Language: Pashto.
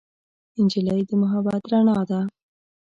نجلۍ د محبت رڼا ده.